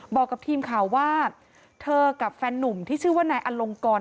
บอกกับทีมข่าวว่าเธอกับแฟนนุ่มที่ชื่อว่านายอลงกร